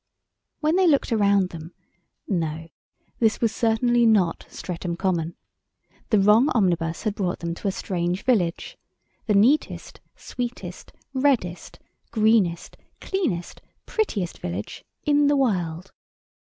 When they looked round them, no, this was certainly not Streatham Common. The wrong omnibus had brought them to a strange village—the neatest, sweetest, reddest, greenest, cleanest, prettiest village in the world.